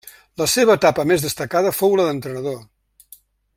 La seva etapa més destacada fou la d'entrenador.